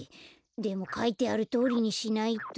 でもかいてあるとおりにしないと。